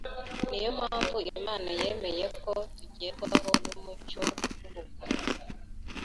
Niyo mpamvu Imana yemeye ko tugerwaho n’umucyo w’ubugorozi